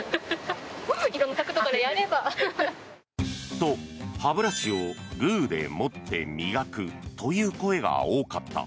と、歯ブラシをグーで持って磨くという声が多かった。